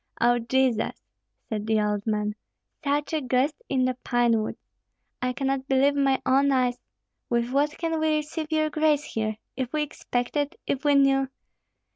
"O Jesus!" said the old man, "such a guest in the pine woods. I cannot believe my own eyes. With what can we receive your grace here? If we expected, if we knew!"